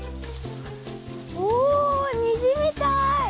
おにじみたい！